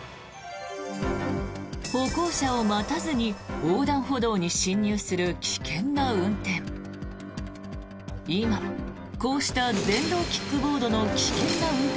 歩行者を待たずに横断歩道に進入する危険な運転。